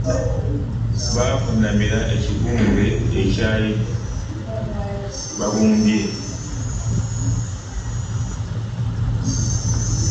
Bavunnamira ekibumbe kyebaali babumbye .